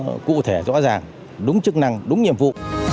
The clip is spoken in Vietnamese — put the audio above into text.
hoạt động cho nó cụ thể rõ ràng đúng chức năng đúng nhiệm vụ